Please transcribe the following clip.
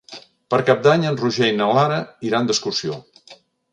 Per Cap d'Any en Roger i na Lara iran d'excursió.